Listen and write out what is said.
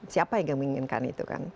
siapa yang menginginkan itu kan